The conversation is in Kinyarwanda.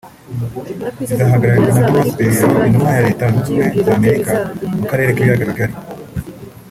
izahagararirwa na Thomas Perriello Intumwa ya Leta Zunze Ubumwe z’Amerika mu karere k’ibiyaga bigari